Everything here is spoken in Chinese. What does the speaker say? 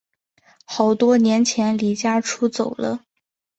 好多年前离家出走了